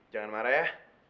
jangan marah ya